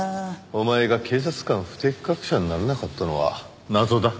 お前が警察官不適格者にならなかったのが謎だ。